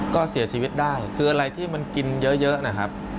ก็เสียชีวิตได้คืออะไรที่มันกินเยอะนะครับ